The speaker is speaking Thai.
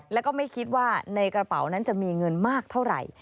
แล้วก็ไม่คิดว่าในกระเป๋านั้นจะมีเงินมากเท่าไหร่